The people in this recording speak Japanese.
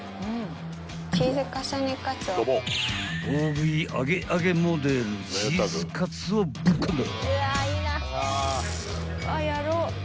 ［大食い揚げ揚げモデルチーズかつをぶっ込んだ］